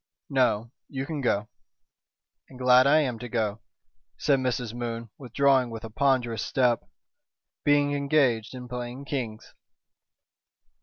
"No. You can go." "And glad I am to go," said Mrs. Moon, withdrawing with a ponderous step, "being engaged in playing kings."